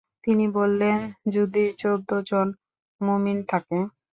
তিনি বললেন, যদি চৌদ্দজন মুমিন থাকে?